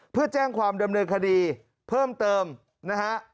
เพื่อแจ้งความดำเนินคดีเพิ่มเติมนะฮะ